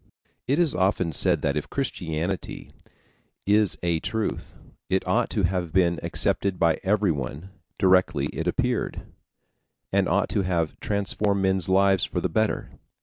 It is often said that if Christianity is a truth, it ought to have been accepted by everyone directly it appeared, and ought to have transformed men's lives for the better.